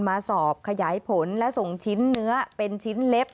มาสอบขยายผลและส่งชิ้นเนื้อเป็นชิ้นเล็บ